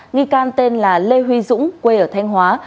nghi can tên là lê huy dũng quê ở thanh hóa